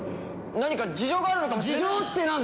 何か事情があるのかもしれない。